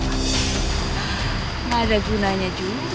gak ada gunanya juga ya